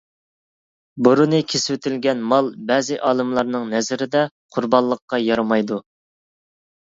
بۇرنى كېسىۋېتىلگەن مال بەزى ئالىملارنىڭ نەزىرىدە قۇربانلىققا يارىمايدۇ.